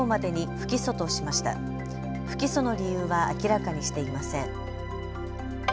不起訴の理由は明らかにしていません。